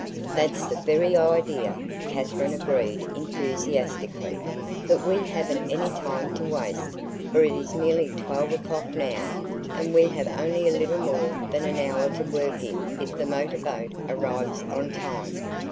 "That's the very idea," Katherine agreed enthusiastically. "But we haven't any time to waste, for it is nearly 12 o'clock now, and we have only a little more than an hour to work in if the motorboat arrives on time.